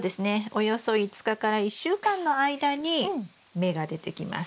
およそ５日から１週間の間に芽が出てきます。